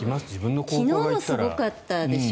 昨日もすごかったでしょ